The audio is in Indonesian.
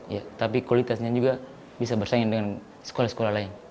ya tapi kualitasnya juga bisa bersaing dengan sekolah sekolah lain